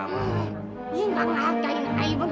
ayah banyak kabur